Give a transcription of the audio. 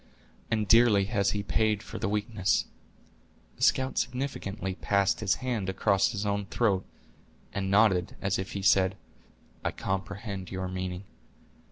"And dearly has he paid for the weakness." The scout significantly passed his hand across his own throat, and nodded, as if he said, "I comprehend your meaning."